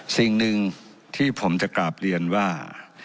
สิ่งนึงที่ผมจะขอแปลกเรียนว่า